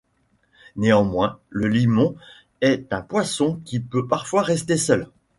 Néanmoins, le limon est un poisson qui peut parfois rester seul.